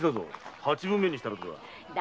八分目にしたらどうだ。